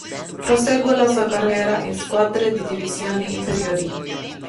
Prosegue la sua carriera in squadre di divisioni inferiori.